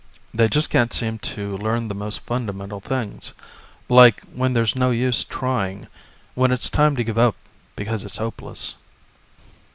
They just can't seem to learn the most fundamental things. Like when there's no use trying when it's time to give up because it's hopeless....